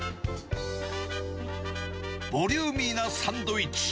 ボリューミーなサンドイッチ。